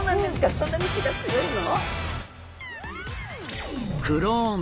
そんなに気が強いの？